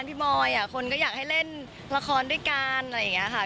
บอยคนก็อยากให้เล่นละครด้วยกันอะไรอย่างนี้ค่ะ